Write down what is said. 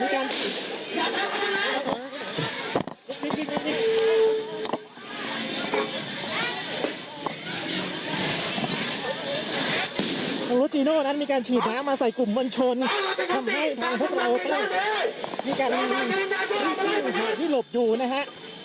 ทางรถจีโน้วนั้นมีการฉีดน้ำมาใส่กลุ่มบัญชนทำให้ทางพวกเราไปที่การให้มีผู้ชมที่หลบอยู่นะฮะ